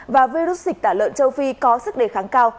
và virus dịch tả lợn châu phi có sức đề kháng cao